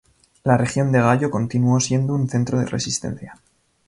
La región de Gayo continuó siendo un centro de resistencia.